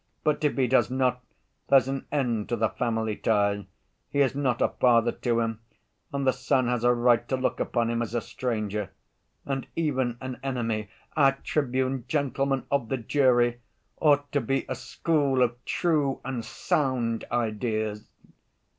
But if he does not, there's an end to the family tie. He is not a father to him, and the son has a right to look upon him as a stranger, and even an enemy. Our tribune, gentlemen of the jury, ought to be a school of true and sound ideas."